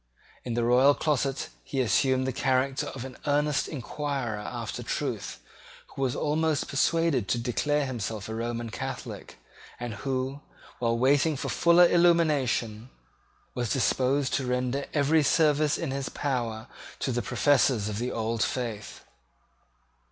In the royal closet he assumed the character of an earnest inquirer after truth, who was almost persuaded to declare himself a Roman Catholic, and who, while waiting for fuller illumination, was disposed to render every service in his power to the professors of the old faith.